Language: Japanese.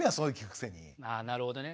ああなるほどね。